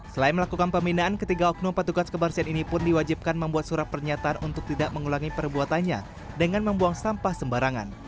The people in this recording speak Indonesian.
selain melakukan pembinaan ketiga oknum petugas kebersihan ini pun diwajibkan membuat surat pernyataan untuk tidak mengulangi perbuatannya dengan membuang sampah sembarangan